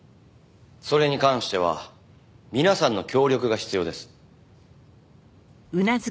それに関しては皆さんの協力が必要です。